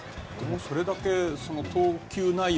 それだけ投球内容